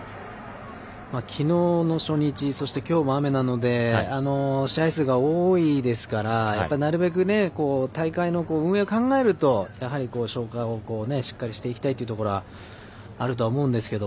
きのうの初日そしてきょうも雨なので試合数が多いですからなるべく大会の運営を考えると消化をしっかりしていきたいということはあると思うんですが。